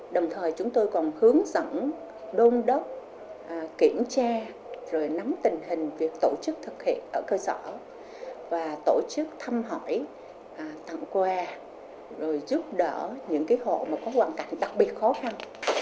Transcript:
đồng thời chúng tôi còn hướng dẫn đôn đốc kiểm tra rồi nắm tình hình việc tổ chức thực hiện ở cơ sở và tổ chức thăm hỏi tặng quà rồi giúp đỡ những hộ mà có hoàn cảnh đặc biệt khó khăn